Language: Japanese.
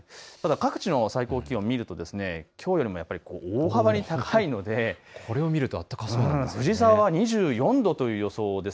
各地の最高気温を見るときょうよりも大幅に高いので藤沢は２４度という予想です。